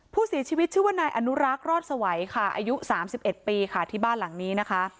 ผู้เสียชีวิตชื่อว่านายอนุรักษ์รอดสวัยค่ะอายุ๓๑ปีค่ะที่บ้านหลังนี้นะคะ